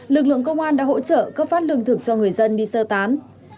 lực lượng công an đã hỗ trợ cấp phát lương thực cho người dân đi sơ tán